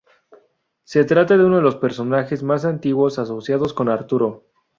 Se trata de uno de los personajes más antiguos asociados con Arturo.